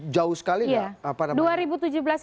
jauh sekali nggak